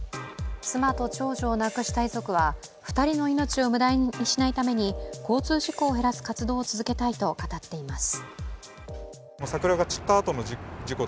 妻と長女を亡くした遺族は２人の命を無駄にしないために交通事故を減らす活動を続けたいと語っています。